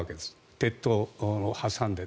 鉄塔を挟んで。